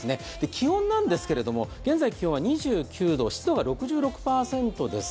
気温なんですけれども、現在気温は２９度湿度が６６％です。